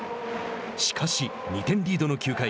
しかし、２点リードの９回。